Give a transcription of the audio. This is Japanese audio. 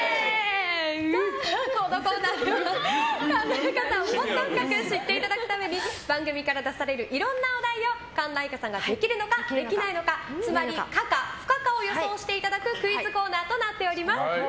このコーナーは神田愛花のことをもっと深く知っていただくために番組から出されるいろんなお題を神田愛花さんができるのかできないのかつまり可か不可かを予想してもらうクイズコーナーとなっています。